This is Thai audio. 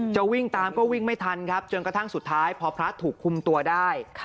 จะวิ่งตามก็วิ่งไม่ทันครับจนกระทั่งสุดท้ายพอพระถูกคุมตัวได้